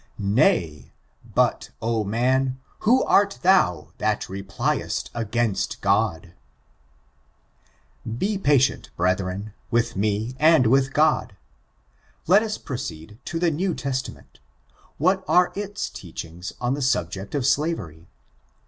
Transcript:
"Nay! but, O man, who art thou that repliest against God 1" Be patient. Brethren, with me, and with God. Let us proceed to the New Testament What are its teachings on the subject of slavery?